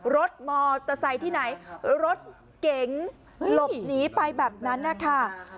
รถมอเตอร์ไซค์ที่ไหนรถเก๋งหลบหนีไปแบบนั้นนะคะ